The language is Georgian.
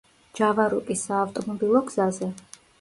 ჯავა–როკის საავტომობილო გზაზე.